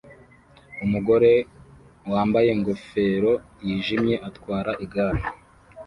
umugore wambaye ingofero yijimye atwara igare